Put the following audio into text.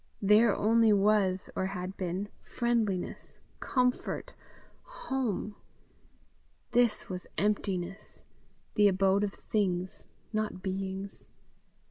There only was or had been, friendliness, comfort, home! This was emptiness the abode of things, not beings.